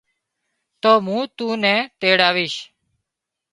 تو مُون تون نين تيڙاويش